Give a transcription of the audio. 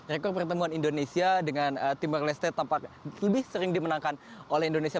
rekor pertemuan indonesia dengan timur leste tampak lebih sering dimenangkan oleh indonesia